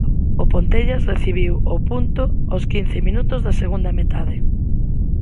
O Pontellas recibiu o punto aos quince minutos da segunda metade.